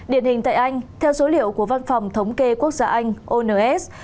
điển hình tại anh theo số liệu của văn phòng thống kê quốc gia anh ons